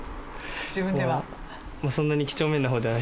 自分では。